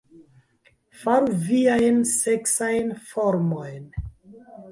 Faru viajn seksajn formojn